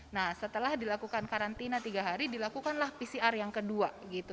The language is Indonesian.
nah setelah dilakukan karantina tiga hari dilakukanlah pcr yang kedua gitu